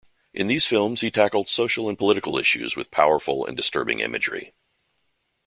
In these films he tackled social and political issues with powerful and disturbing imagery.